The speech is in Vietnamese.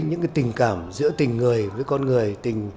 những cái tình cảm giữa tình người với con người